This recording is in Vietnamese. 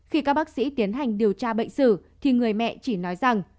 khi các bác sĩ tiến hành điều tra bệnh sử thì người mẹ chỉ nói rằng